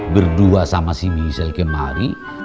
berdua sama si michelle kemari